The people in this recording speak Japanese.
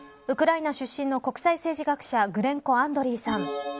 ウクライナ出身の国際政治学者グレンコ・アンドリーさん